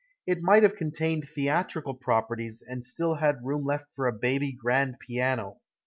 It might have contained theatrical properties and still had room left for a baby grand piano.